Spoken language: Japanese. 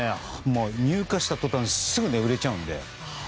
入荷した途端すぐに売れちゃうので。